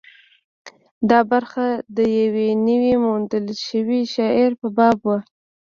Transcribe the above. دا برخه د یوه نوي موندل شوي شعر په باب وه.